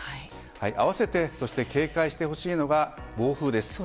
併せて警戒してほしいのが暴風です。